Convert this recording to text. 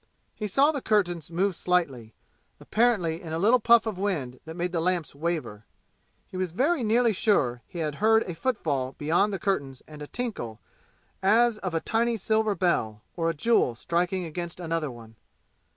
He saw the curtains move slightly, apparently in a little puff of wind that made the lamps waver. He was very nearly sure he heard a footfall beyond the curtains and a tinkle as of a tiny silver bell, or a jewel striking against another one.